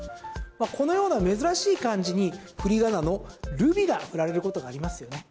このような珍しい漢字に振り仮名のルビが振られることがありますよね。